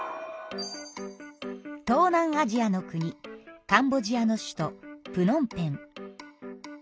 東南アジアの国カンボジアの首都プノンペン。